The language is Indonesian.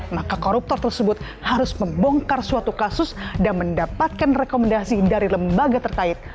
maka koruptor tersebut harus membongkar suatu kasus dan mendapatkan rekomendasi dari lembaga terkait